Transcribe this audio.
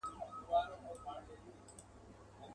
هم لباس هم یې ګفتار د ملکې وو.